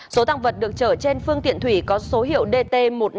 số tăng vật được chở trên phương tiện thủy có số hiệu dt một mươi năm nghìn hai trăm ba mươi